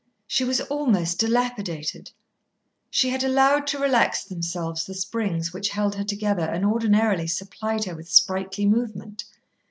She was almost dilapidated. She had allowed to relax themselves the springs which held her together and ordinarily supplied her with sprightly movement.